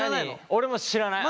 俺も知らない。